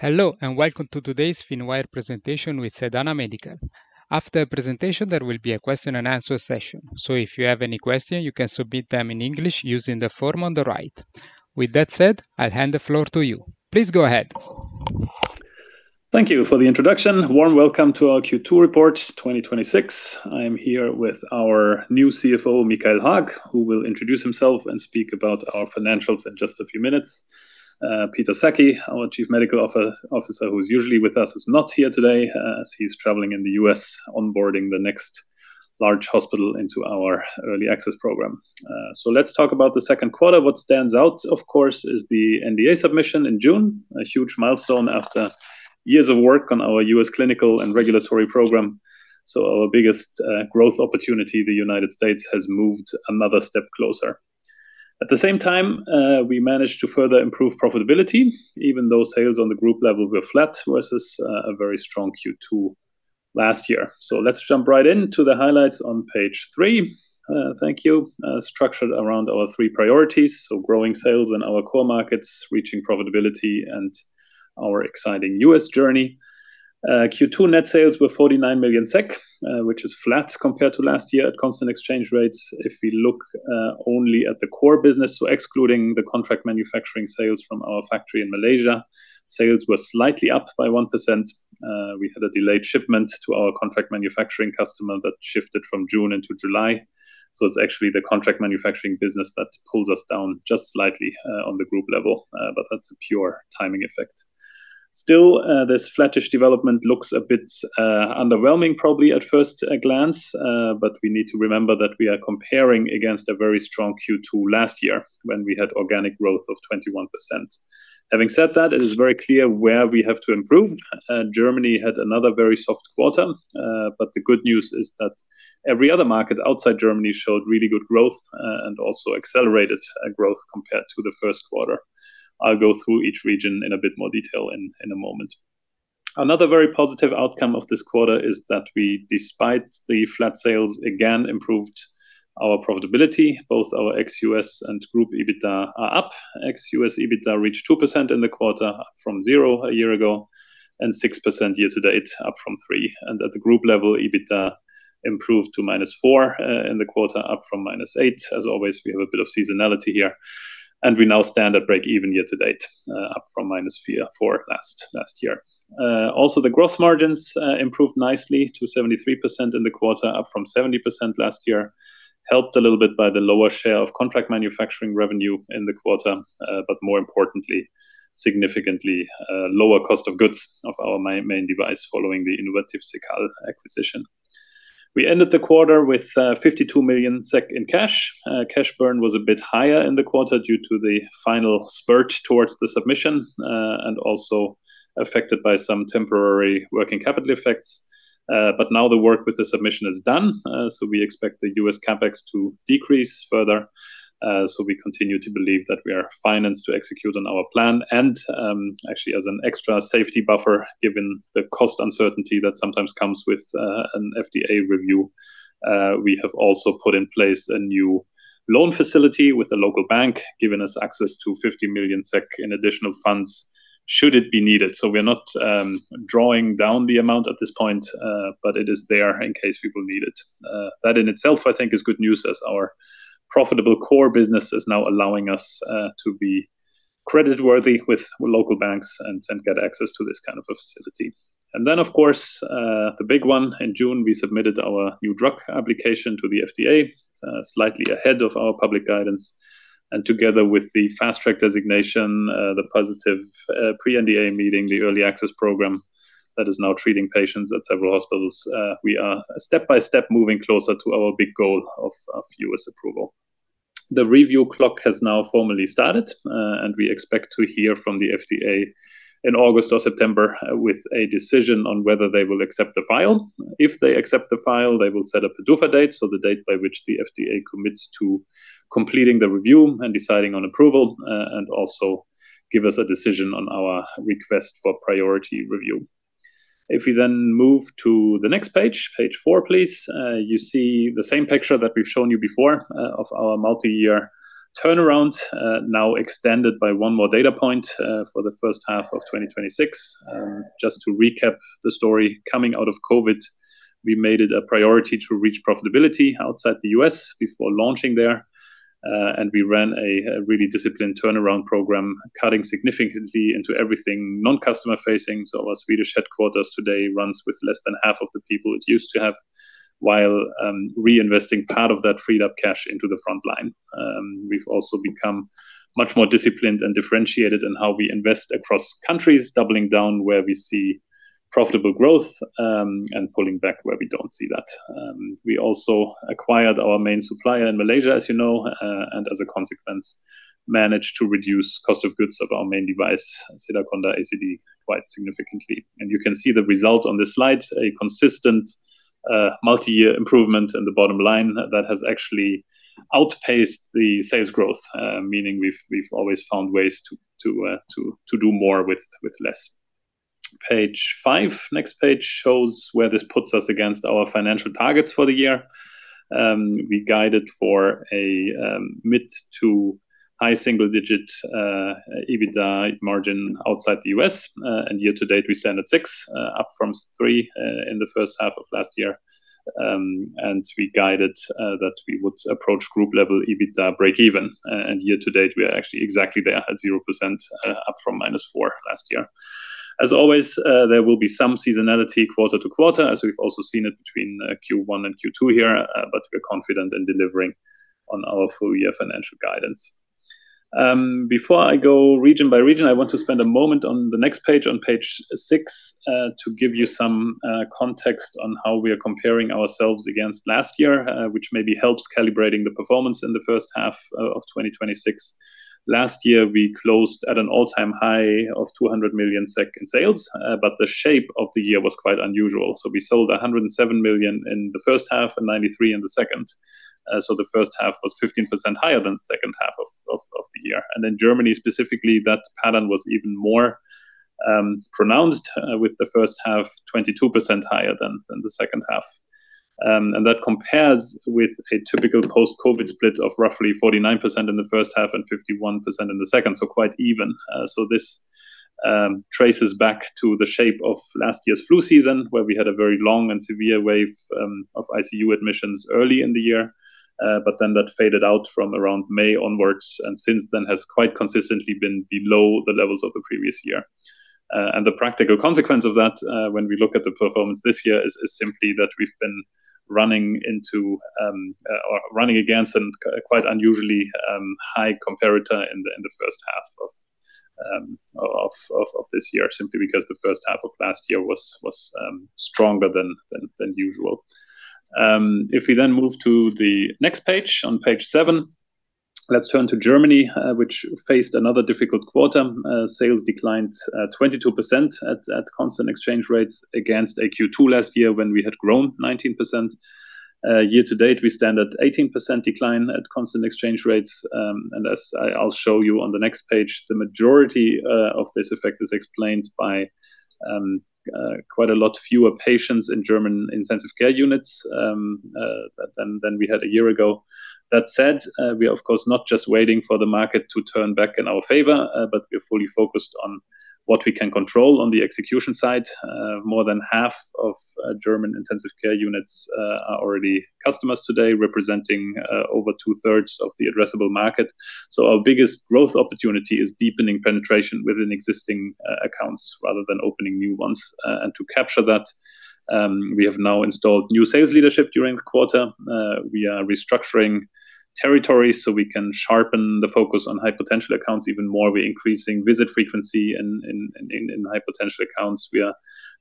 Hello, welcome to today's Finwire presentation with Sedana Medical. After the presentation, there will be a question and answer session. If you have any questions, you can submit them in English using the form on the right. With that said, I'll hand the floor to you. Please go ahead. Thank you for the introduction. Warm welcome to our Q2 Report 2026. I am here with our new CFO, Mikael Haag, who will introduce himself and speak about our financials in just a few minutes. Peter Sackey, our Chief Medical Officer, who's usually with us, is not here today as he's traveling in the U.S. onboarding the next large hospital into our Early Access Program. Let's talk about the second quarter. What stands out, of course, is the NDA submission in June, a huge milestone after years of work on our U.S. clinical and regulatory program. Our biggest growth opportunity, the United States, has moved another step closer. At the same time, we managed to further improve profitability, even though sales on the group level were flat versus a very strong Q2 last year. Let's jump right into the highlights on page three. Thank you. Structured around our three priorities, growing sales in our core markets, reaching profitability, and our exciting U.S. journey. Q2 net sales were 49 million SEK, which is flat compared to last year at constant exchange rates. If we look only at the core business, excluding the contract manufacturing sales from our factory in Malaysia, sales were slightly up by 1%. We had a delayed shipment to our contract manufacturing customer that shifted from June into July. It's actually the contract manufacturing business that pulls us down just slightly on the group level. That's a pure timing effect. Still, this flattish development looks a bit underwhelming probably at first glance, but we need to remember that we are comparing against a very strong Q2 last year when we had organic growth of 21%. Having said that, it is very clear where we have to improve. Germany had another very soft quarter. The good news is that every other market outside Germany showed really good growth, also accelerated growth compared to the first quarter. I'll go through each region in a bit more detail in a moment. Another very positive outcome of this quarter is that we, despite the flat sales, again improved our profitability. Both our ex-U.S. and group EBITDA are up. Ex-U.S. EBITDA reached 2% in the quarter up from zero a year ago, and 6% year to date up from 3%. At the group level, EBITDA improved to minus four in the quarter, up from minus eight. As always, we have a bit of seasonality here, and we now stand at break even year to date, up from minus four last year. The growth margins improved nicely to 73% in the quarter, up from 70% last year, helped a little bit by the lower share of contract manufacturing revenue in the quarter. More importantly, significantly lower cost of goods of our main device following the Innovatif Cekal acquisition. We ended the quarter with 52 million SEK in cash. Cash burn was a bit higher in the quarter due to the final spurt towards the submission, and also affected by some temporary working capital effects. Now the work with the submission is done, we expect the U.S. CapEx to decrease further. We continue to believe that we are financed to execute on our plan and actually as an extra safety buffer, given the cost uncertainty that sometimes comes with an FDA review, we have also put in place a new loan facility with a local bank, giving us access to 50 million SEK in additional funds should it be needed. We are not drawing down the amount at this point, but it is there in case we will need it. That in itself, I think, is good news as our profitable core business is now allowing us to be credit worthy with local banks and get access to this kind of a facility. Then, of course, the big one in June, we submitted our New Drug Application to the FDA, slightly ahead of our public guidance. Together with the Fast Track designation, the positive pre-NDA meeting, the Early Access Program that is now treating patients at several hospitals, we are step by step moving closer to our big goal of U.S. approval. The review clock has now formally started, we expect to hear from the FDA in August or September with a decision on whether they will accept the file. If they accept the file, they will set up a PDUFA date, the date by which the FDA commits to completing the review and deciding on approval, and also give us a decision on our request for Priority Review. If we move to the next page four, please. You see the same picture that we have shown you before, of our multi-year turnaround, now extended by one more data point for the first half of 2026. Just to recap the story coming out of COVID, we made it a priority to reach profitability outside the U.S. before launching there. We ran a really disciplined turnaround program, cutting significantly into everything non-customer facing. Our Swedish headquarters today runs with less than half of the people it used to have while reinvesting part of that freed up cash into the frontline. We have also become much more disciplined and differentiated in how we invest across countries, doubling down where we see profitable growth, and pulling back where we do not see that. We also acquired our main supplier in Malaysia, as you know, and as a consequence, managed to reduce cost of goods of our main device, Sedaconda ACD, quite significantly. You can see the result on this slide, a consistent multi-year improvement in the bottom line that has actually outpaced the sales growth, meaning we've always found ways to do more with less. Page five, next page, shows where this puts us against our financial targets for the year. We guided for a mid to high single-digit EBITDA margin outside the U.S., and year to date, we stand at 6%, up from 3% in the first half of last year. We guided that we would approach group level EBITDA breakeven, and year to date, we are actually exactly there at 0%, up from -4% last year. As always, there will be some seasonality quarter-to-quarter, as we've also seen it between Q1 and Q2 here, but we're confident in delivering on our full-year financial guidance. Before I go region-by-region, I want to spend a moment on the next page, on page six, to give you some context on how we are comparing ourselves against last year, which maybe helps calibrating the performance in the first half of 2026. Last year, we closed at an all-time high of 200 million SEK in sales, the shape of the year was quite unusual. We sold 107 million in the first half and 93 in the second. The first half was 15% higher than the second half of the year. In Germany, specifically, that pattern was even more pronounced, with the first half 22% higher than the second half. That compares with a typical post-COVID split of roughly 49% in the first half and 51% in the second, so quite even. This traces back to the shape of last year's flu season, where we had a very long and severe wave of ICU admissions early in the year. That faded out from around May onwards, and since then has quite consistently been below the levels of the previous year. The practical consequence of that, when we look at the performance this year, is simply that we've been running against a quite unusually high comparator in the first half of this year, simply because the first half of last year was stronger than usual. We move to the next page, on page seven, let's turn to Germany, which faced another difficult quarter. Sales declined 22% at constant exchange rates against a Q2 last year when we had grown 19%. Year to date, we stand at 18% decline at constant exchange rates. As I'll show you on the next page, the majority of this effect is explained by quite a lot fewer patients in German intensive care units than we had a year ago. That said, we are of course not just waiting for the market to turn back in our favor, but we are fully focused on what we can control on the execution side. More than half of German intensive care units are already customers today, representing over two-thirds of the addressable market. Our biggest growth opportunity is deepening penetration within existing accounts rather than opening new ones. To capture that, we have now installed new sales leadership during the quarter. We are restructuring territories so we can sharpen the focus on high-potential accounts even more. We're increasing visit frequency in high-potential accounts. We are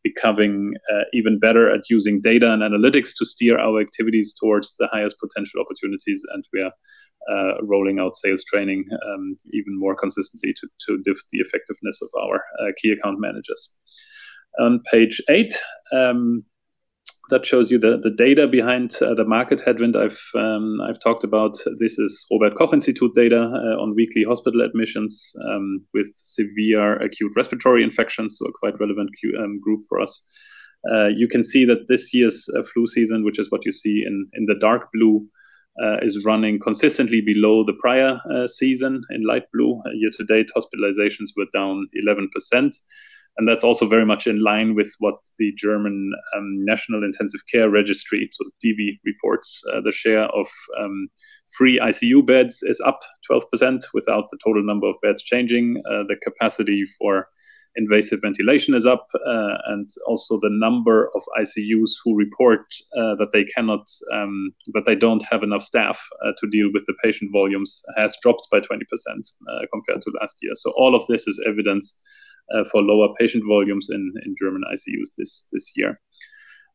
becoming even better at using data and analytics to steer our activities towards the highest potential opportunities. We are rolling out sales training even more consistently to lift the effectiveness of our key account managers. On page eight, that shows you the data behind the market headwind I've talked about. This is Robert Koch Institute data on weekly hospital admissions with severe acute respiratory infections, so a quite relevant group for us. You can see that this year's flu season, which is what you see in the dark blue, is running consistently below the prior season in light blue. Year to date, hospitalizations were down 11%, and that's also very much in line with what the German National Intensive Care Registry, so DIVI, reports. The share of free ICU beds is up 12% without the total number of beds changing. The capacity for invasive ventilation is up, and also the number of ICUs who report that they don't have enough staff to deal with the patient volumes has dropped by 20% compared to last year. All of this is evidence for lower patient volumes in German ICUs this year.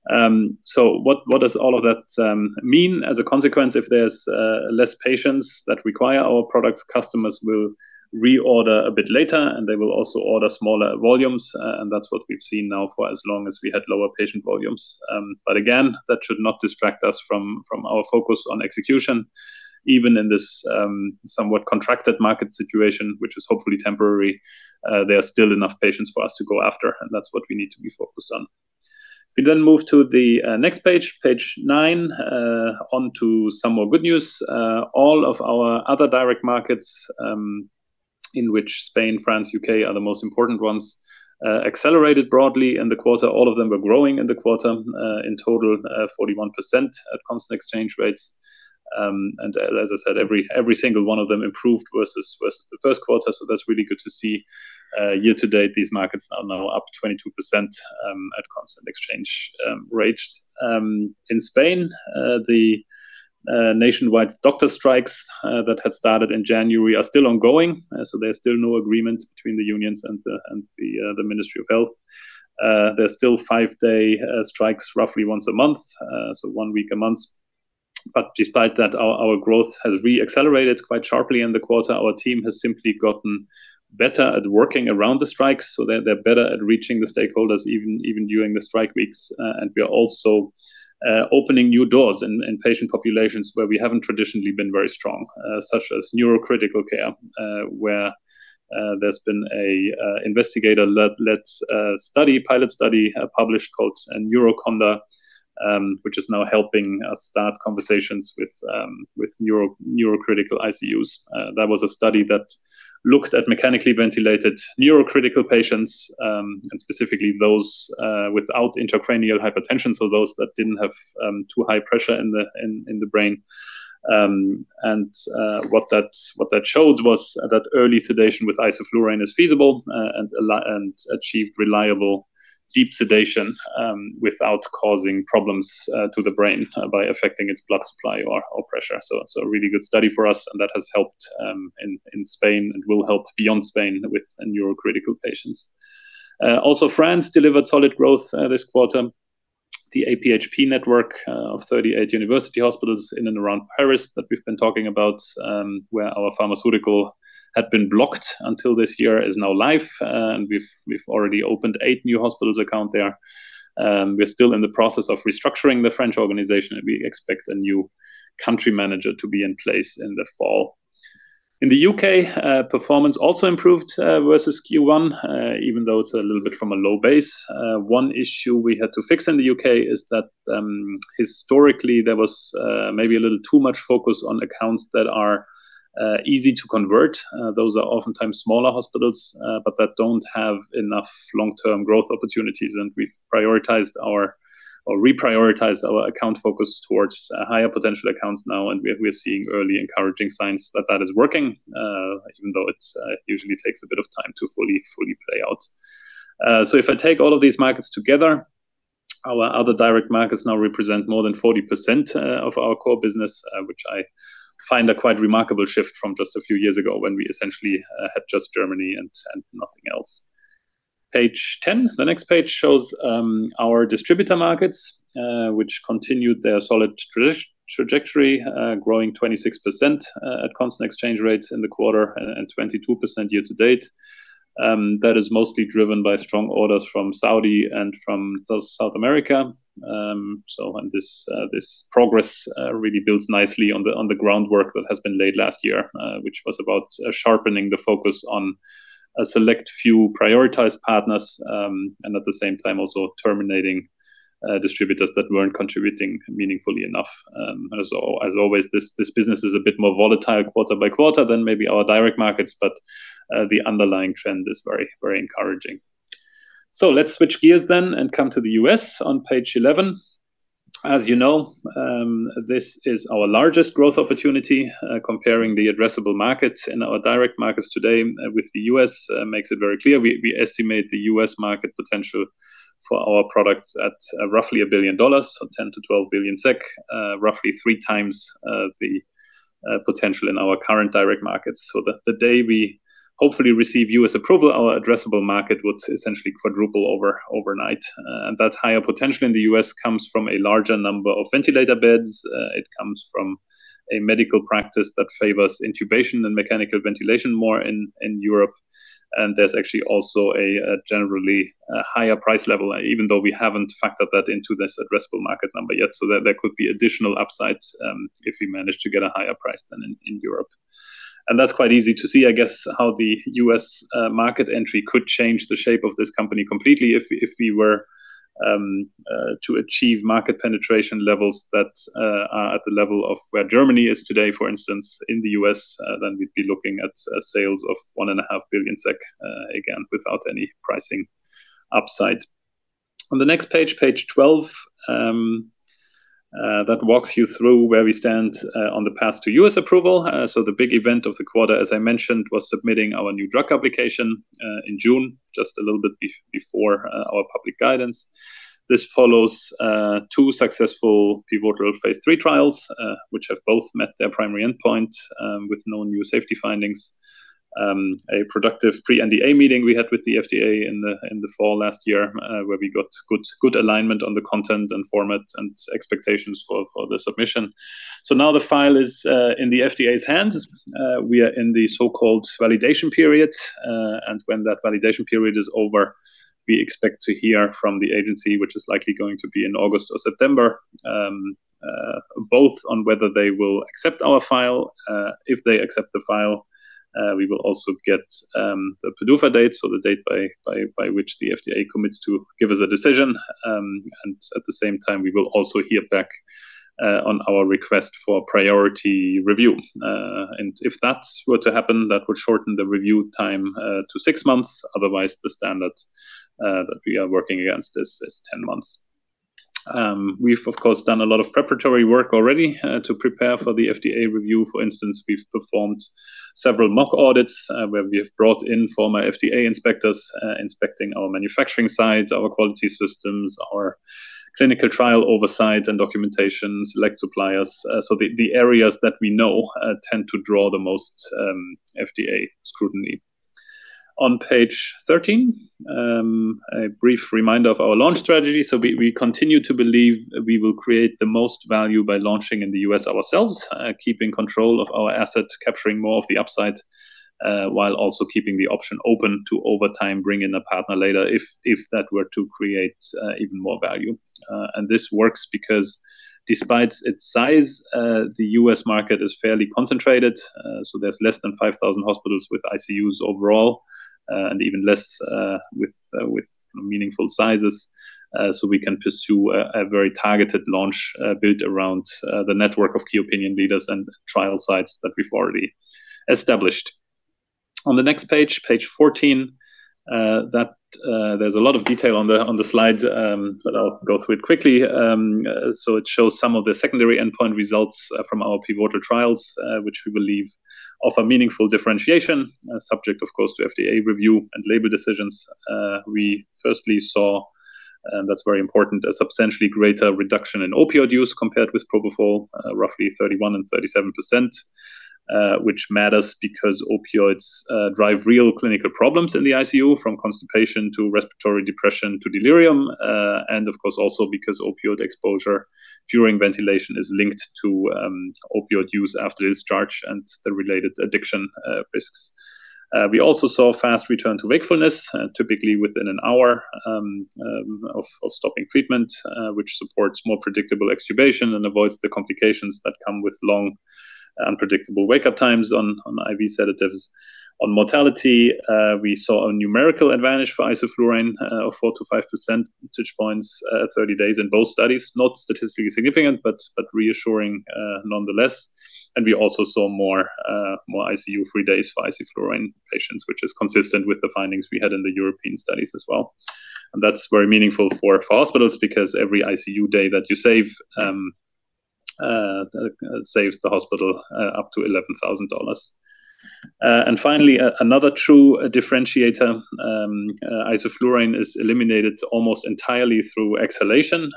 What does all of that mean as a consequence? If there's less patients that require our products, customers will reorder a bit later, and they will also order smaller volumes, and that's what we've seen now for as long as we had lower patient volumes. Again, that should not distract us from our focus on execution. Even in this somewhat contracted market situation, which is hopefully temporary, there are still enough patients for us to go after, and that's what we need to be focused on. If we move to the next page nine, on to some more good news. All of our other direct markets, in which Spain, France, U.K. are the most important ones, accelerated broadly in the quarter. All of them were growing in the quarter, in total 41% at constant exchange rates. As I said, every single one of them improved versus the first quarter, so that's really good to see. Year to date, these markets are now up 22% at constant exchange rates. In Spain, the nationwide doctor strikes that had started in January are still ongoing, so there's still no agreement between the unions and the Ministry of Health. There's still five-day strikes roughly once a month, so one week a month. Despite that, our growth has re-accelerated quite sharply in the quarter. Our team has simply gotten better at working around the strikes, so they're better at reaching the stakeholders even during the strike weeks. We are also opening new doors in patient populations where we haven't traditionally been very strong, such as neurocritical care, where there's been an investigator-led pilot study published called NEURO-CONDA, which is now helping us start conversations with neurocritical ICUs. That was a study that looked at mechanically ventilated neurocritical patients, and specifically those without intracranial hypertension, so those that didn't have too high pressure in the brain. What that showed was that early sedation with isoflurane is feasible and achieved reliable deep sedation without causing problems to the brain by affecting its blood supply or pressure. A really good study for us, and that has helped in Spain and will help beyond Spain with neurocritical patients. Also, France delivered solid growth this quarter. The APHP network of 38 university hospitals in and around Paris that we've been talking about, where our pharmaceutical had been blocked until this year, is now live. We've already opened eight new hospitals account there. We're still in the process of restructuring the French organization, and we expect a new country manager to be in place in the fall. In the U.K., performance also improved versus Q1, even though it's a little bit from a low base. One issue we had to fix in the U.K. is that historically there was maybe a little too much focus on accounts that are easy to convert. Those are oftentimes smaller hospitals, but that don't have enough long-term growth opportunities, and we've reprioritized our account focus towards higher potential accounts now, and we're seeing early encouraging signs that that is working, even though it usually takes a bit of time to fully play out. If I take all of these markets together, our other direct markets now represent more than 40% of our core business, which I find a quite remarkable shift from just a few years ago when we essentially had just Germany and nothing else. Page 10. The next page shows our distributor markets, which continued their solid trajectory, growing 26% at constant exchange rates in the quarter and 22% year-to-date. That is mostly driven by strong orders from Saudi and from South America. This progress really builds nicely on the groundwork that has been laid last year which was about sharpening the focus on a select few prioritized partners, and at the same time, also terminating distributors that weren't contributing meaningfully enough. As always, this business is a bit more volatile quarter by quarter than maybe our direct markets, but the underlying trend is very encouraging. Let's switch gears then and come to the U.S. on page 11. As you know, this is our largest growth opportunity. Comparing the addressable markets in our direct markets today with the U.S. makes it very clear. We estimate the U.S. market potential for our products at roughly $1 billion, so 10 billion-12 billion SEK, roughly three times the potential in our current direct markets. The day we hopefully receive U.S. approval, our addressable market would essentially quadruple overnight. That higher potential in the U.S. comes from a larger number of ventilator beds. It comes from a medical practice that favors intubation and mechanical ventilation more in Europe. There's actually also a generally higher price level, even though we haven't factored that into this addressable market number yet. There could be additional upsides if we manage to get a higher price than in Europe. That's quite easy to see, I guess, how the U.S. market entry could change the shape of this company completely if we were to achieve market penetration levels that are at the level of where Germany is today, for instance, in the U.S., then we'd be looking at sales of 1.5 billion SEK, again, without any pricing upside. On the next page 12, that walks you through where we stand on the path to U.S. approval. The big event of the quarter, as I mentioned, was submitting our New Drug Application in June, just a little bit before our public guidance. This follows two successful PVOTR Phase III trials, which have both met their primary endpoint with no new safety findings. A productive pre-NDA meeting we had with the FDA in the fall last year, where we got good alignment on the content and format and expectations for the submission. Now the file is in the FDA's hands. We are in the so-called validation period. When that validation period is over, we expect to hear from the agency, which is likely going to be in August or September, both on whether they will accept our file. If they accept the file, we will also get the PDUFA date, the date by which the FDA commits to give us a decision. At the same time, we will also hear back on our request for Priority Review. If that were to happen, that would shorten the review time to six months. Otherwise, the standard that we are working against is 10 months. We've, of course, done a lot of preparatory work already to prepare for the FDA review. For instance, we've performed several mock audits where we have brought in former FDA inspectors inspecting our manufacturing sites, our quality systems, our clinical trial oversight and documentations, leg suppliers. The areas that we know tend to draw the most FDA scrutiny. On page 13, a brief reminder of our launch strategy. We continue to believe we will create the most value by launching in the U.S. ourselves, keeping control of our assets, capturing more of the upside, while also keeping the option open to, over time, bring in a partner later if that were to create even more value. This works because despite its size, the U.S. market is fairly concentrated. There's less than 5,000 hospitals with ICUs overall, and even less with meaningful sizes. We can pursue a very targeted launch built around the network of key opinion leaders and trial sites that we've already established. On the next page 14, there's a lot of detail on the slide, but I'll go through it quickly. It shows some of the secondary endpoint results from our PVOTR trials, which we believe offer meaningful differentiation, subject, of course, to FDA review and label decisions. We firstly saw, and that's very important, a substantially greater reduction in opioid use compared with propofol, roughly 31% and 37%, which matters because opioids drive real clinical problems in the ICU, from constipation to respiratory depression to delirium, and of course, also because opioid exposure during ventilation is linked to opioid use after discharge and the related addiction risks. We also saw a fast return to wakefulness, typically within an hour of stopping treatment, which supports more predictable extubation and avoids the complications that come with long, unpredictable wake-up times on IV sedatives. On mortality, we saw a numerical advantage for isoflurane of four to five percentage points at 30 days in both studies. Not statistically significant, but reassuring nonetheless. We also saw more ICU-free days for isoflurane patients, which is consistent with the findings we had in the European studies as well. That's very meaningful for hospitals because every ICU day that you save, saves the hospital up to $11,000. Finally, another true differentiator, isoflurane is eliminated almost entirely through exhalation.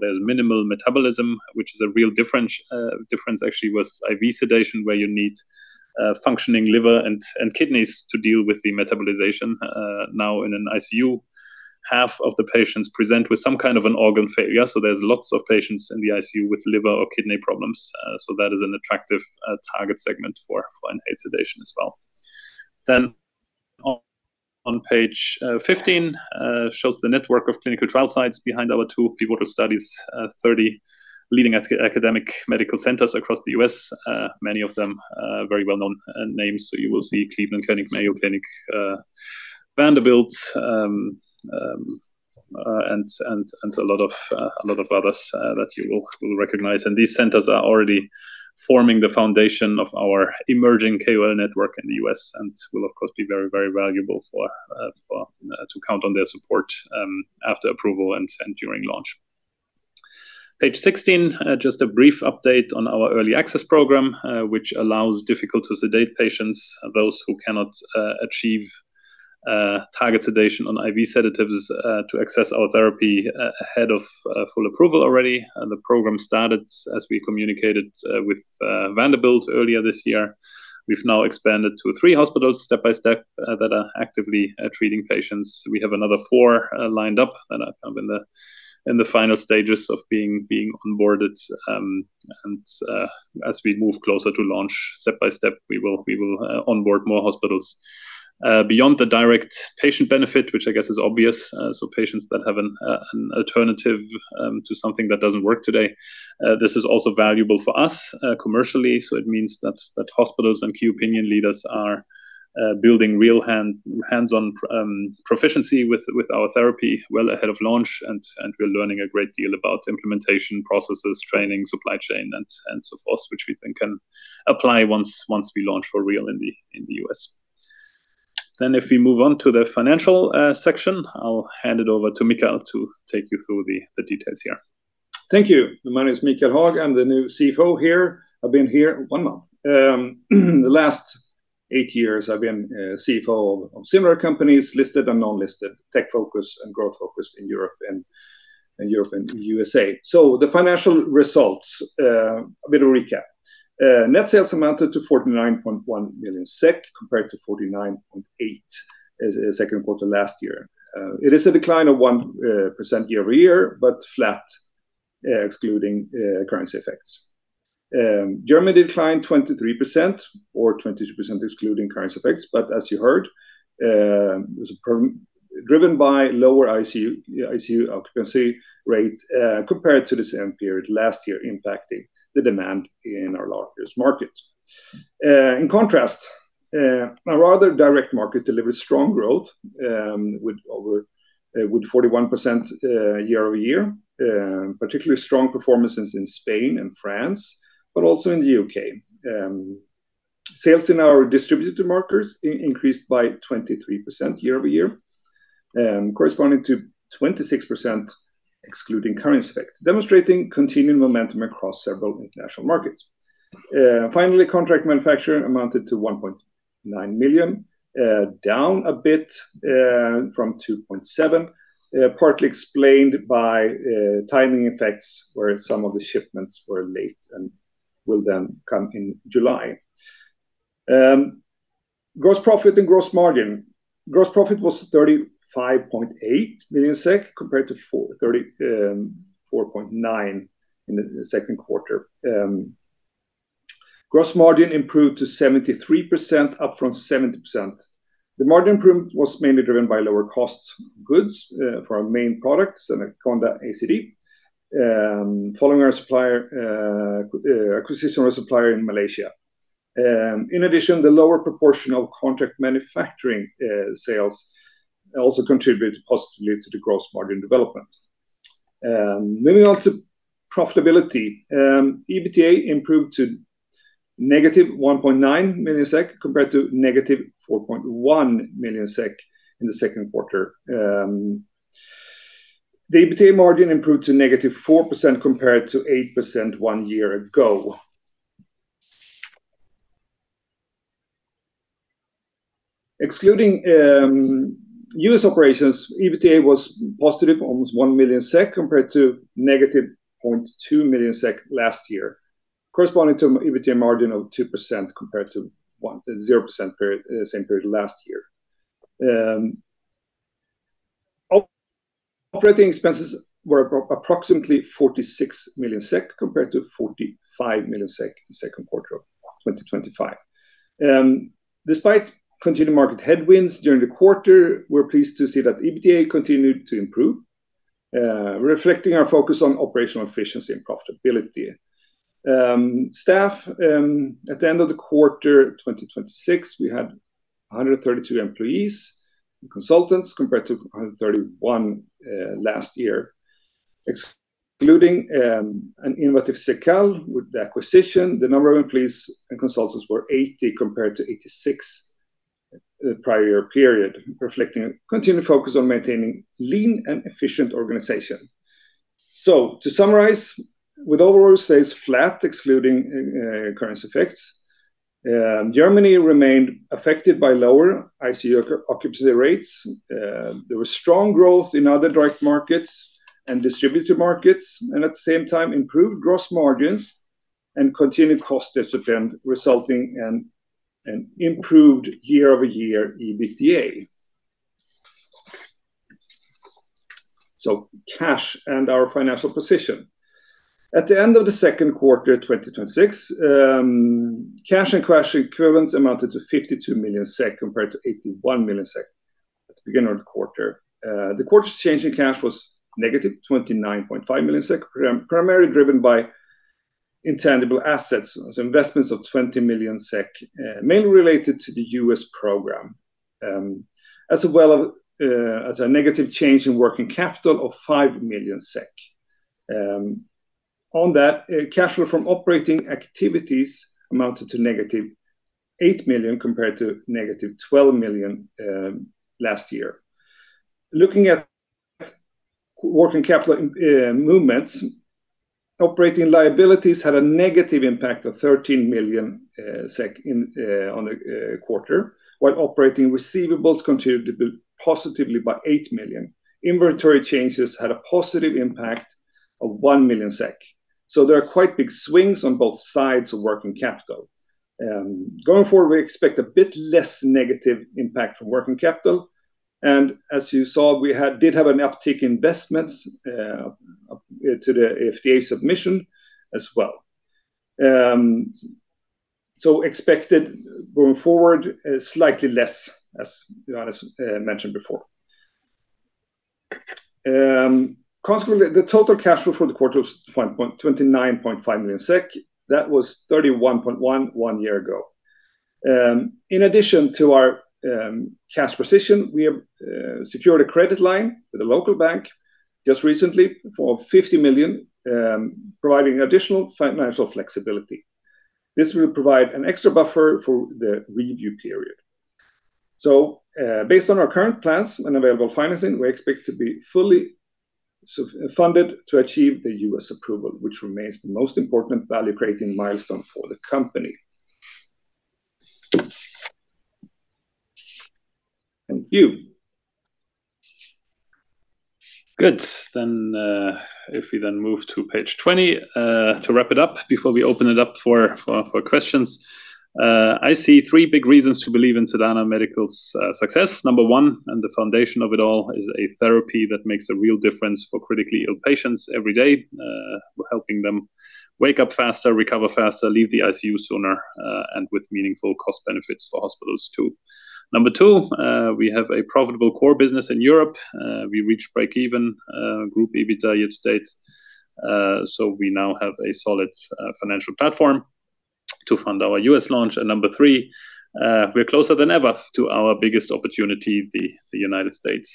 There's minimal metabolism, which is a real difference actually with IV sedation, where you need functioning liver and kidneys to deal with the metabolization. In an ICU, half of the patients present with some kind of an organ failure. There's lots of patients in the ICU with liver or kidney problems. That is an attractive target segment for an aid sedation as well. On page 15, shows the network of clinical trial sites behind our two PVOTR studies, 30 leading academic medical centers across the U.S., many of them very well-known names. You will see Cleveland Clinic, Mayo Clinic, Vanderbilt, and a lot of others that you will recognize. These centers are already forming the foundation of our emerging KOL network in the U.S. and will, of course, be very, very valuable to count on their support after approval and during launch. Page 16, just a brief update on our Early Access Program, which allows difficult-to-sedate patients, those who cannot achieve target sedation on IV sedatives, to access our therapy ahead of full approval already. The program started as we communicated with Vanderbilt earlier this year. We've now expanded to three hospitals step-by-step that are actively treating patients. We have another four lined up that are in the final stages of being onboarded. As we move closer to launch step-by-step, we will onboard more hospitals. Beyond the direct patient benefit, which I guess is obvious, patients that have an alternative to something that doesn't work today, this is also valuable for us commercially. It means that hospitals and key opinion leaders are building real hands-on proficiency with our therapy well ahead of launch, and we're learning a great deal about implementation processes, training, supply chain, and so forth, which we think can apply once we launch for real in the U.S. If we move on to the financial section, I'll hand it over to Mikael to take you through the details here. Thank you. My name is Mikael Haag. I'm the new CFO here. I've been here one month. The last eight years, I've been CFO of similar companies, listed and non-listed, tech-focused and growth-focused in Europe and the USA. The financial results, a bit of recap. Net sales amounted to 49.1 million SEK compared to 49.8 million in the second quarter last year. It is a decline of 1% year-over-year, but flat excluding currency effects. Germany declined 23% or 22% excluding currency effects, as you heard, it was driven by lower ICU occupancy rate compared to the same period last year, impacting the demand in our largest market. In contrast, our other direct markets delivered strong growth with 41% year-over-year, particularly strong performances in Spain and France, but also in the U.K. Sales in our distributed markets increased by 23% year-over-year, corresponding to 26% excluding currency effects, demonstrating continuing momentum across several international markets. Contract manufacturing amounted to 1.9 million, down a bit from 2.7 million, partly explained by timing effects where some of the shipments were late and will come in July. Gross profit and gross margin. Gross profit was 35.8 million SEK compared to 34.9 million in the second quarter. Gross margin improved to 73%, up from 70%. The margin improvement was mainly driven by lower cost goods for our main products, Sedaconda and Sedaconda ACD, following our acquisition of a supplier in Malaysia. In addition, the lower proportion of contract manufacturing sales also contributed positively to the gross margin development. Moving on to profitability. EBITDA improved to -1.9 million SEK compared to -4.1 million SEK in the second quarter. The EBITDA margin improved to -4% compared to 8% one year ago. Excluding U.S. operations, EBITDA was positive, almost 1 million SEK compared to -0.2 million SEK last year, corresponding to an EBITDA margin of 2% compared to 0% the same period last year. Operating expenses were approximately 46 million SEK compared to 45 million SEK in the second quarter of 2025. Despite continued market headwinds during the quarter, we are pleased to see that EBITDA continued to improve, reflecting our focus on operational efficiency and profitability. Staff at the end of the quarter 2026, we had 132 employees and consultants compared to 131 last year. Excluding Innovatif Cekal with the acquisition, the number of employees and consultants were 80 compared to 86 the prior period, reflecting a continued focus on maintaining lean and efficient organization. To summarize, with overall sales flat excluding currency effects, Germany remained affected by lower ICU occupancy rates. There was strong growth in other direct markets and distributor markets, and at the same time, improved gross margins and continued cost discipline, resulting in an improved year-over-year EBITDA. Cash and our financial position. At the end of the second quarter 2026, cash and cash equivalents amounted to 52 million SEK compared to 81 million SEK at the beginning of the quarter. The quarter's change in cash was -29.5 million SEK, primarily driven by intangible assets. Investments of 20 million SEK, mainly related to the U.S. program as well as a negative change in working capital of 5 million SEK. On that, cash flow from operating activities amounted to -8 million compared to -12 million last year. Looking at working capital movements, operating liabilities had a negative impact of 13 million SEK on the quarter, while operating receivables continued to build positively by 8 million. Inventory changes had a positive impact of 1 million SEK. There are quite big swings on both sides of working capital. Going forward, we expect a bit less negative impact from working capital. As you saw, we did have an uptick in investments to the FDA submission as well. Expected going forward, slightly less, as Johannes mentioned before. Consequently, the total cash flow for the quarter was 29.5 million SEK. That was 31.1 one year ago. In addition to our cash position, we have secured a credit line with a local bank just recently for 50 million, providing additional financial flexibility. This will provide an extra buffer for the review period. Based on our current plans and available financing, we expect to be fully funded to achieve the U.S. approval, which remains the most important value-creating milestone for the company. Thank you. Good. If we then move to page 20 to wrap it up before we open it up for questions. I see three big reasons to believe in Sedana Medical's success. Number one, and the foundation of it all, is a therapy that makes a real difference for critically ill patients every day. We're helping them wake up faster, recover faster, leave the ICU sooner, and with meaningful cost benefits for hospitals, too. Number two, we have a profitable core business in Europe. We reach break even group EBITDA year to date. We now have a solid financial platform to fund our U.S. launch. Number three, we're closer than ever to our biggest opportunity, the United States,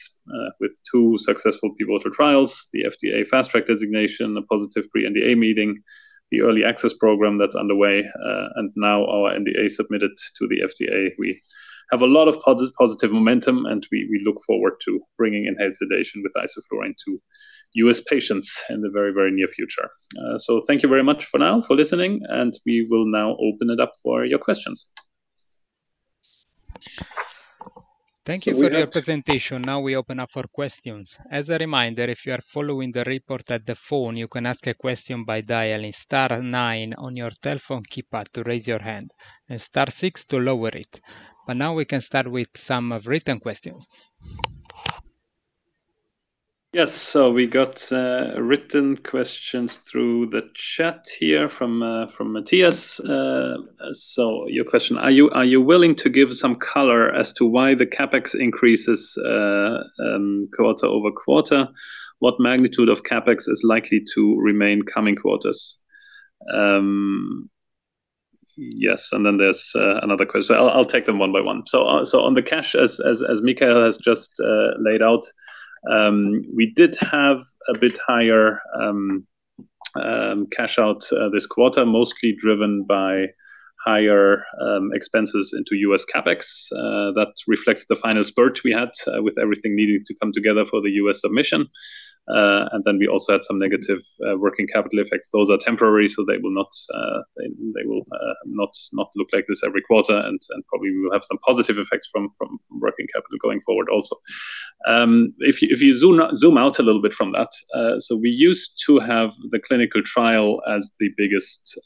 with two successful pivotal trials, the FDA Fast Track designation, a positive pre-NDA meeting, the Early Access Program that's underway, and now our NDA submitted to the FDA. We have a lot of positive momentum, we look forward to bringing enhanced sedation with isoflurane to U.S. patients in the very near future. Thank you very much for now for listening, we will now open it up for your questions. Thank you for your presentation. We open up for questions. As a reminder, if you are following the report at the phone, you can ask a question by dialing star nine on your telephone keypad to raise your hand and star six to lower it. We can start with some written questions. Yes. We got written questions through the chat here from Matthias. Your question, are you willing to give some color as to why the CapEx increases quarter-over-quarter? What magnitude of CapEx is likely to remain coming quarters? There is another question. I will take them one by one. On the cash, as Mikael has just laid out, we did have a bit higher cash out this quarter, mostly driven by higher expenses into U.S. CapEx. That reflects the final spurt we had with everything needing to come together for the U.S. submission. We also had some negative working capital effects. Those are temporary, they will not look like this every quarter and probably we will have some positive effects from working capital going forward also. If you zoom out a little bit from that, we used to have the clinical trial as the biggest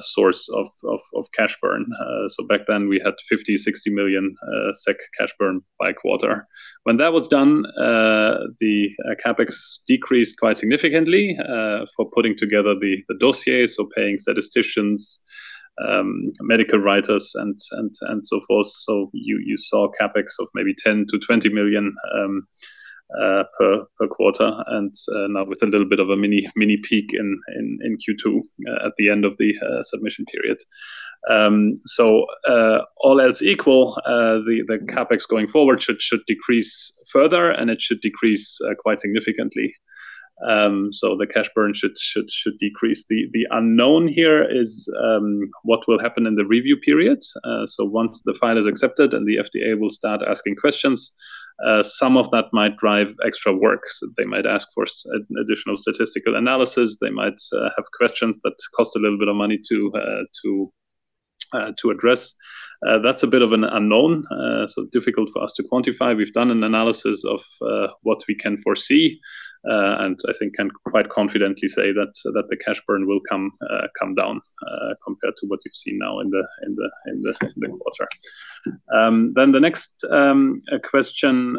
source of cash burn. Back then we had 50 million-60 million SEK cash burn by quarter. When that was done, the CapEx decreased quite significantly, for putting together the dossiers or paying statisticians, medical writers and so forth. You saw CapEx of maybe 10 million-20 million per quarter, and now with a little bit of a mini peak in Q2 at the end of the submission period. All else equal, the CapEx going forward should decrease further, and it should decrease quite significantly. The cash burn should decrease. The unknown here is what will happen in the review period. Once the file is accepted and the FDA will start asking questions, some of that might drive extra work. They might ask for additional statistical analysis. They might have questions that cost a little bit of money to address. That is a bit of an unknown, difficult for us to quantify. We have done an analysis of what we can foresee, and I think can quite confidently say that the cash burn will come down compared to what you have seen now in the quarter. The next question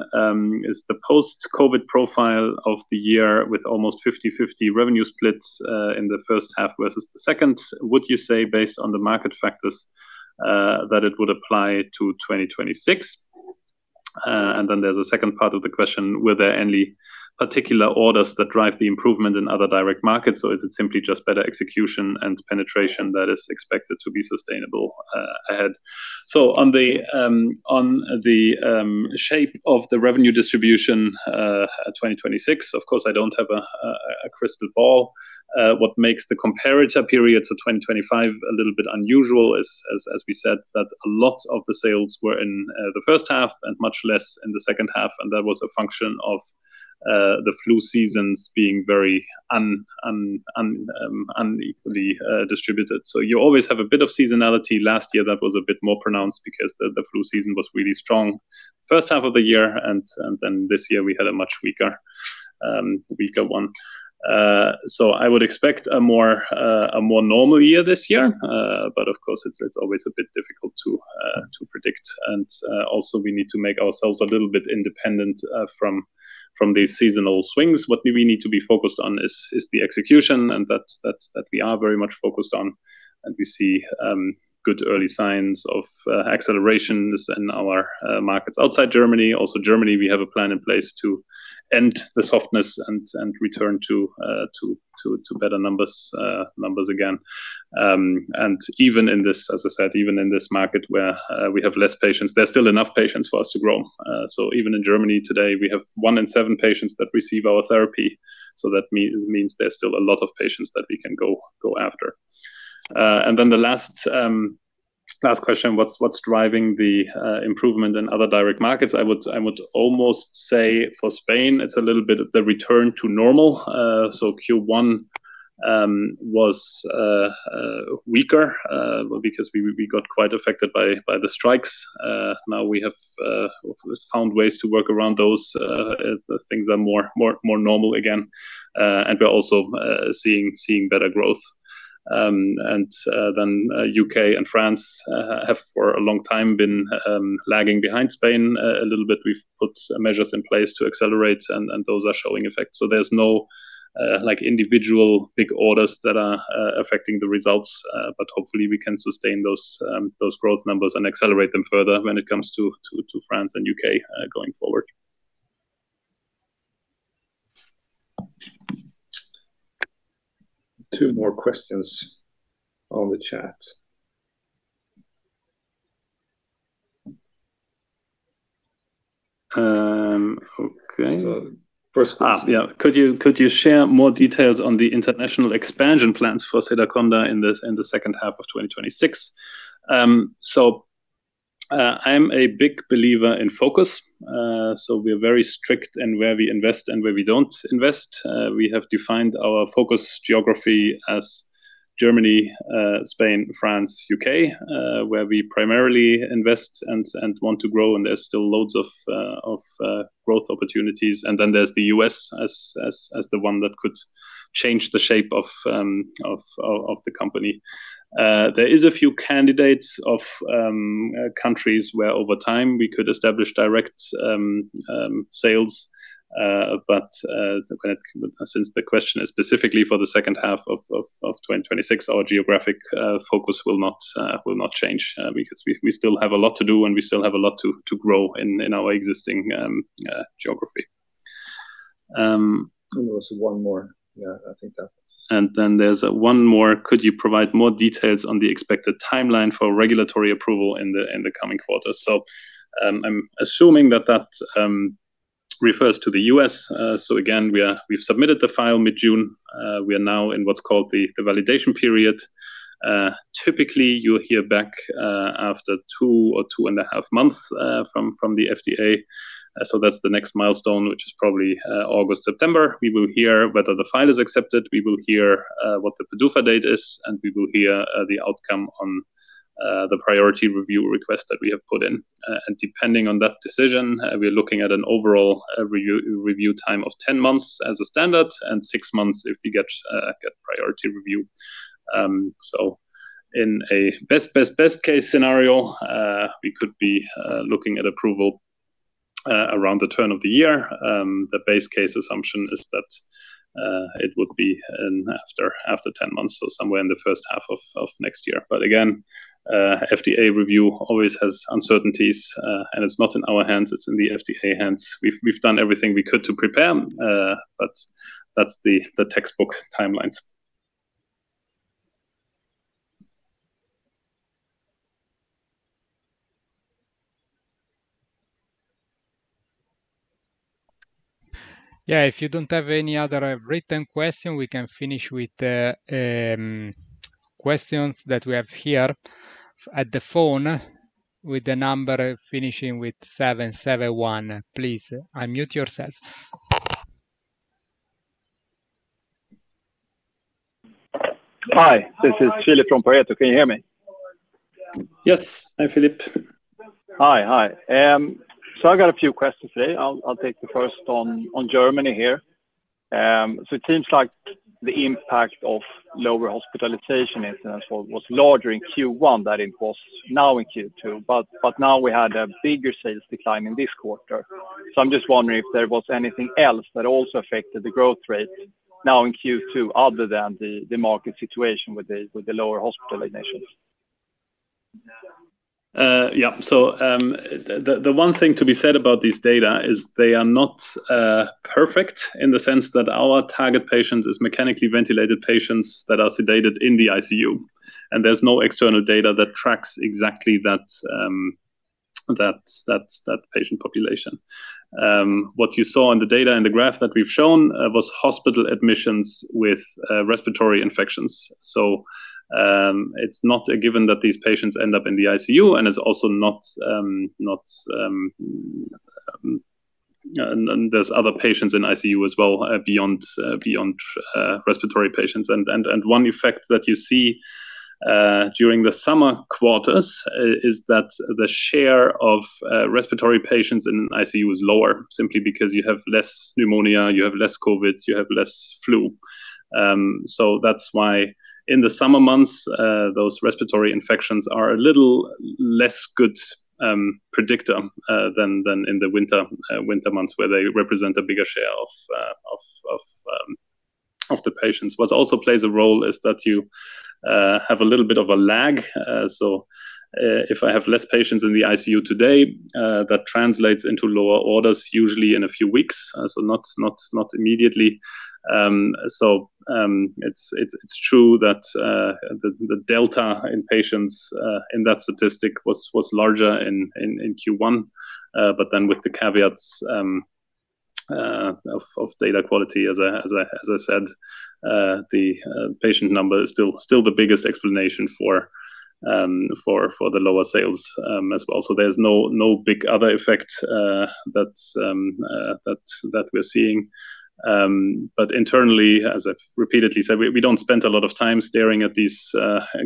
is the post-COVID profile of the year with almost 50/50 revenue splits in the first half versus the second. Would you say based on the market factors, that it would apply to 2026? There is a second part of the question, were there any particular orders that drive the improvement in other direct markets, or is it simply just better execution and penetration that is expected to be sustainable ahead? On the shape of the revenue distribution at 2026, of course, I do not have a crystal ball. What makes the comparator periods of 2025 a little bit unusual is, as we said, that a lot of the sales were in the first half and much less in the second half, and that was a function of the flu seasons being very unequally distributed. You always have a bit of seasonality. Last year, that was a bit more pronounced because the flu season was really strong first half of the year and this year we had a much weaker one. I would expect a more normal year this year. Of course, it is always a bit difficult to predict. Also we need to make ourselves a little bit independent from these seasonal swings. What we need to be focused on is the execution and that we are very much focused on. We see good early signs of accelerations in our markets outside Germany. Also Germany, we have a plan in place to end the softness and return to better numbers again. Even in this, as I said, even in this market where we have less patients, there's still enough patients for us to grow. Even in Germany today, we have one in seven patients that receive our therapy. That means there's still a lot of patients that we can go after. The last question, what's driving the improvement in other direct markets? I would almost say for Spain, it's a little bit of the return to normal. Q1 was weaker, because we got quite affected by the strikes. Now we have found ways to work around those. Things are more normal again. We're also seeing better growth. U.K. and France have for a long time been lagging behind Spain a little bit. We've put measures in place to accelerate and those are showing effects. There's no individual big orders that are affecting the results. Hopefully we can sustain those growth numbers and accelerate them further when it comes to France and U.K. going forward. Two more questions on the chat. Okay. First question. Yeah. Could you share more details on the international expansion plans for Sedaconda in the second half of 2026? I'm a big believer in focus. We're very strict in where we invest and where we don't invest. We have defined our focus geography as Germany, Spain, France, U.K., where we primarily invest and want to grow, and there's still loads of growth opportunities. There's the U.S. as the one that could change the shape of the company. There is a few candidates of countries where over time we could establish direct sales. Since the question is specifically for the second half of 2026, our geographic focus will not change because we still have a lot to do and we still have a lot to grow in our existing geography. There was one more. Yeah, I think that was it. There's one more. Could you provide more details on the expected timeline for regulatory approval in the coming quarters? I'm assuming that refers to the U.S. Again, we've submitted the file mid-June. We are now in what's called the validation period. Typically, you'll hear back after two or two and a half months from the FDA. That's the next milestone, which is probably August, September. We will hear whether the file is accepted. We will hear what the PDUFA date is, and we will hear the outcome on the Priority Review request that we have put in. Depending on that decision, we're looking at an overall review time of 10 months as a standard and six months if we get Priority Review. In a best case scenario, we could be looking at approval around the turn of the year. The base case assumption is that it would be after 10 months, somewhere in the first half of next year. Again, FDA review always has uncertainties, and it's not in our hands, it's in the FDA hands. We've done everything we could to prepare, that's the textbook timelines. Yeah, if you don't have any other written question, we can finish with the questions that we have here at the phone with the number finishing with 771. Please unmute yourself. Hi, this is Philip from Pareto. Can you hear me? Yes. Hi, Philip. Hi. I've got a few questions today. I'll take the first on Germany here. It seems like the impact of lower hospitalization incidents was larger in Q1 than it was now in Q2, we had a bigger sales decline in this quarter. I'm just wondering if there was anything else that also affected the growth rate now in Q2 other than the market situation with the lower hospital admissions. The one thing to be said about these data is they are not perfect in the sense that our target patient is mechanically ventilated patients that are sedated in the ICU, and there's no external data that tracks exactly that patient population. What you saw in the data in the graph that we've shown was hospital admissions with respiratory infections. It's not a given that these patients end up in the ICU, and there's other patients in ICU as well beyond respiratory patients. One effect that you see during the summer quarters is that the share of respiratory patients in ICU is lower simply because you have less pneumonia, you have less COVID, you have less flu. That's why in the summer months, those respiratory infections are a little less good predictor than in the winter months, where they represent a bigger share of the patients. What also plays a role is that you have a little bit of a lag. If I have less patients in the ICU today, that translates into lower orders, usually in a few weeks. Not immediately. It's true that the delta in patients in that statistic was larger in Q1. With the caveats of data quality, as I said, the patient number is still the biggest explanation for the lower sales as well. There's no big other effect that we're seeing. Internally, as I've repeatedly said, we don't spend a lot of time staring at these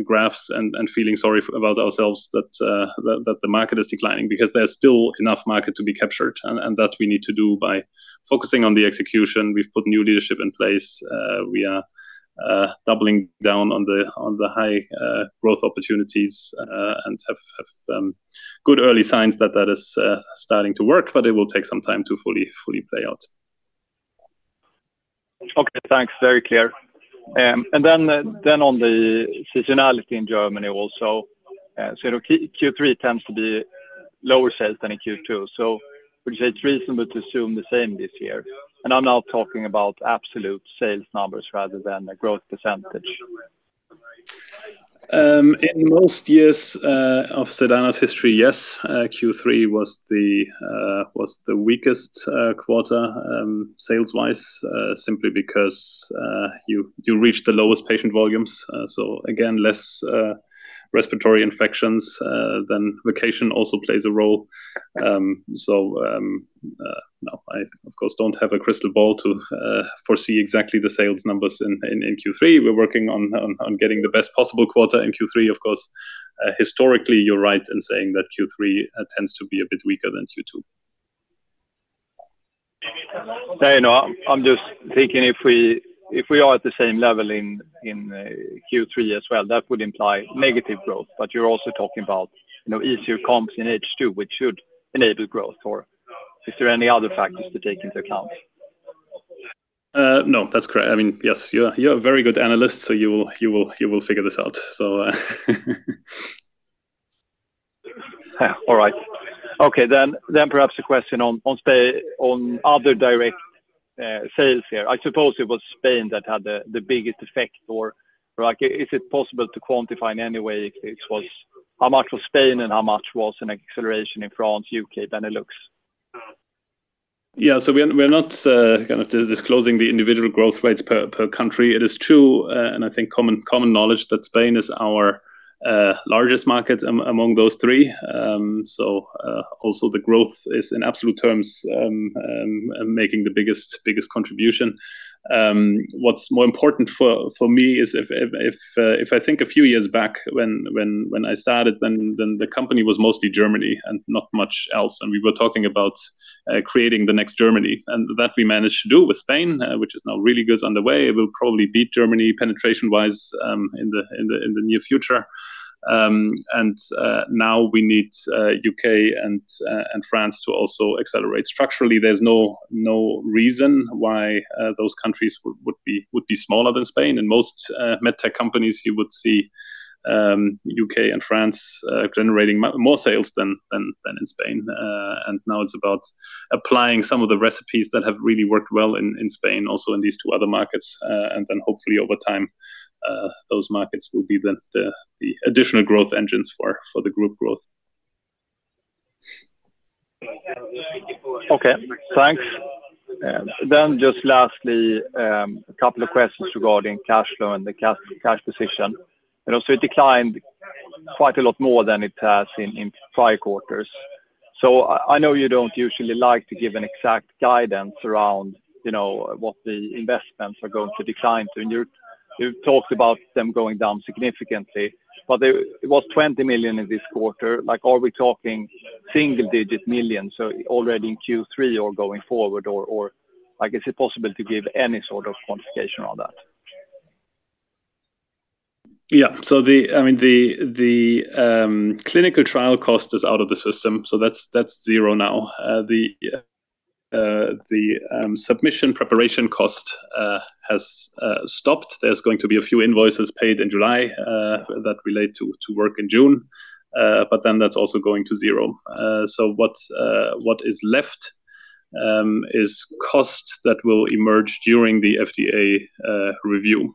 graphs and feeling sorry about ourselves that the market is declining because there's still enough market to be captured. That we need to do by focusing on the execution. We've put new leadership in place. We are doubling down on the high growth opportunities, and have good early signs that is starting to work, but it will take some time to fully play out. Okay, thanks. Very clear. On the seasonality in Germany also. Q3 tends to be lower sales than in Q2. Would you say it's reasonable to assume the same this year? I'm now talking about absolute sales numbers rather than a growth percentage. In most years of Sedana's history, yes. Q3 was the weakest quarter sales-wise simply because you reach the lowest patient volumes. Again, less respiratory infections, then vacation also plays a role. Now I of course don't have a crystal ball to foresee exactly the sales numbers in Q3. We're working on getting the best possible quarter in Q3 of course. Historically, you're right in saying that Q3 tends to be a bit weaker than Q2. No, I'm just thinking if we are at the same level in Q3 as well, that would imply negative growth. You're also talking about easier comps in H2, which should enable growth. Is there any other factors to take into account? No, that's correct. Yes, you're a very good analyst, so you will figure this out. All right. Okay, perhaps a question on other direct sales here. I suppose it was Spain that had the biggest effect. Is it possible to quantify in any way how much was Spain and how much was an acceleration in France, U.K. than it looks? We're not going to disclosing the individual growth rates per country. It is true, and I think common knowledge that Spain is our largest market among those three. Also the growth is in absolute terms making the biggest contribution. What's more important for me is if I think a few years back when I started, then the company was mostly Germany and not much else, and we were talking about creating the next Germany, and that we managed to do with Spain, which is now really good on the way. We'll probably beat Germany penetration-wise in the near future. Now we need U.K. and France to also accelerate. Structurally, there's no reason why those countries would be smaller than Spain. In most MedTech companies you would see U.K. and France generating more sales than in Spain. Now it's about applying some of the recipes that have really worked well in Spain, also in these two other markets. Hopefully over time, those markets will be the additional growth engines for the group growth. Okay, thanks. Just lastly, a couple of questions regarding cash flow and the cash position. It declined quite a lot more than it has in prior quarters. I know you don't usually like to give an exact guidance around what the investments are going to decline to. You've talked about them going down significantly, but it was 20 million in this quarter. Are we talking single-digit millions already in Q3 or going forward, or is it possible to give any sort of quantification on that? The clinical trial cost is out of the system, so that's zero now. The submission preparation cost has stopped. There's going to be a few invoices paid in July that relate to work in June. That's also going to zero. What is left is costs that will emerge during the FDA review.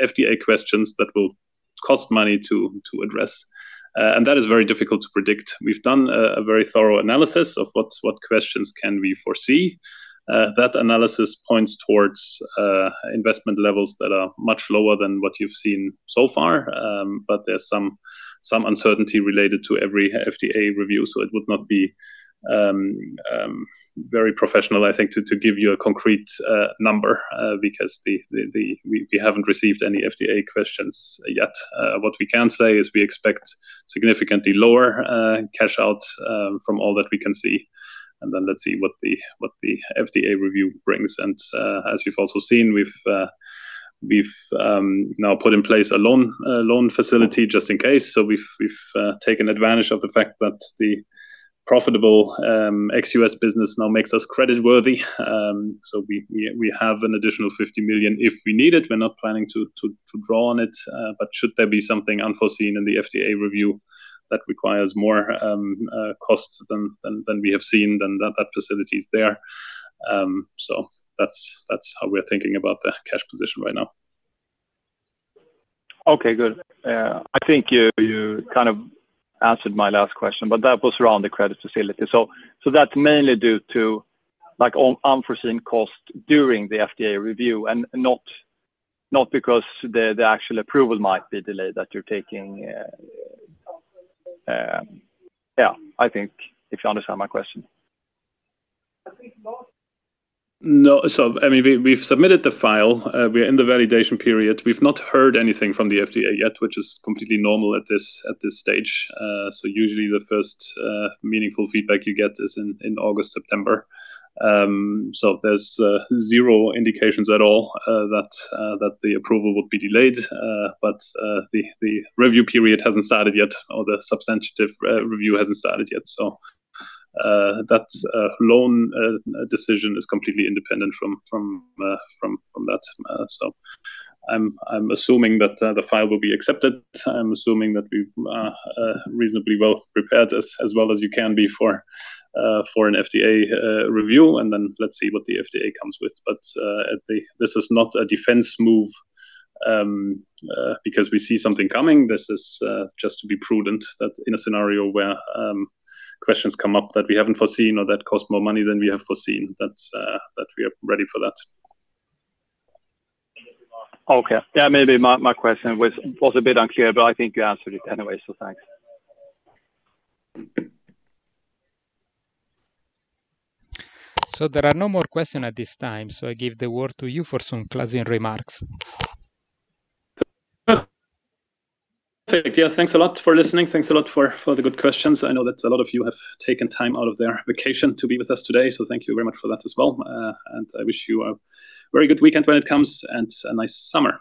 FDA questions that will cost money to address. That is very difficult to predict. We've done a very thorough analysis of what questions can we foresee. That analysis points towards investment levels that are much lower than what you've seen so far. There's some uncertainty related to every FDA review, so it would not be very professional, I think, to give you a concrete number because we haven't received any FDA questions yet. What we can say is we expect significantly lower cash out from all that we can see, and then let's see what the FDA review brings. As we've also seen, we've now put in place a loan facility just in case. We've taken advantage of the fact that the profitable ex-U.S. business now makes us credit worthy. We have an additional 50 million if we need it. We're not planning to draw on it. Should there be something unforeseen in the FDA review that requires more costs than we have seen, then that facility is there. That's how we're thinking about the cash position right now. Okay, good. I think you kind of answered my last question. That was around the credit facility. That's mainly due to unforeseen costs during the FDA review and not because the actual approval might be delayed that you're taking? I think, if you understand my question. No. We've submitted the file. We're in the validation period. We've not heard anything from the FDA yet, which is completely normal at this stage. Usually the first meaningful feedback you get is in August, September. There's zero indications at all that the approval would be delayed. The review period hasn't started yet, or the substantive review hasn't started yet. That loan decision is completely independent from that. I'm assuming that the file will be accepted. I'm assuming that we've reasonably well prepared as well as you can be for an FDA review, and then let's see what the FDA comes with. This is not a defense move because we see something coming. This is just to be prudent that in a scenario where questions come up that we haven't foreseen or that cost more money than we have foreseen, that we are ready for that. Okay. Maybe my question was a bit unclear, but I think you answered it anyway, so thanks. There are no more questions at this time, so I give the word to you for some closing remarks. Perfect. Thanks a lot for listening. Thanks a lot for the good questions. I know that a lot of you have taken time out of their vacation to be with us today, so thank you very much for that as well. I wish you a very good weekend when it comes, and a nice summer.